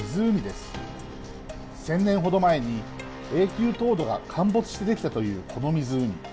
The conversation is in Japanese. １，０００年ほど前に永久凍土が陥没してできたというこの湖。